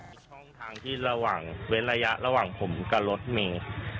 มีช่องทางที่รวบร่างเวลาระยะผมกับรถมี